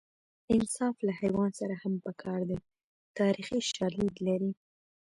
انصاف له حیوان سره هم په کار دی تاریخي شالید لري